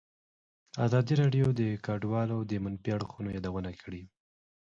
ازادي راډیو د کډوال د منفي اړخونو یادونه کړې.